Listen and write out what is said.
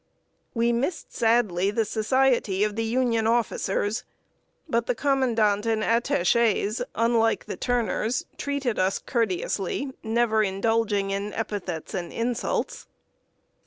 We missed sadly the society of the Union officers, but the Commandant and attachés, unlike the Turners, treated us courteously, never indulging in epithets and insults.